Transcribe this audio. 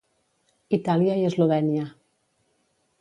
Itàlia i Eslovènia.